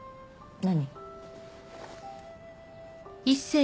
何？